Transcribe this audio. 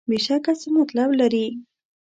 بېشکه څه مطلب لري.